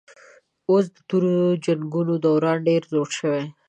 اوس د تورو د جنګونو دوران ډېر زوړ شوی